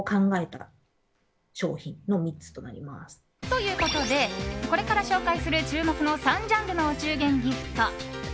ということでこれから紹介する注目の３ジャンルのお中元ギフト。